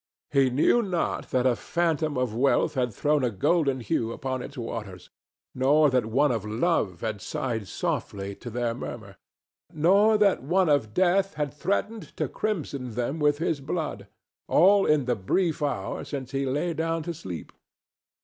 He knew not that a phantom of Wealth had thrown a golden hue upon its waters, nor that one of Love had sighed softly to their murmur, nor that one of Death had threatened to crimson them with his blood, all in the brief hour since he lay down to sleep.